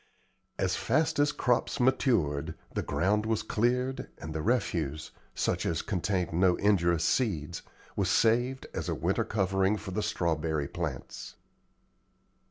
As fast as crops matured, the ground was cleared, and the refuse, such as contained no injurious seeds, was saved as a winter covering for the strawberry plants.